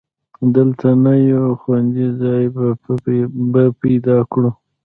دلته نه، یو خوندي ځای به پیدا کړو.